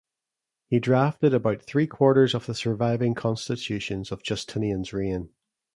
He drafted about three-quarters of the surviving constitutions of Justinian's reign.